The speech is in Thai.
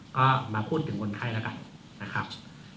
ก็มาพูดถึงคนไข้แล้วกัน